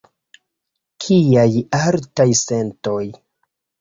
Kiaj altaj sentoj!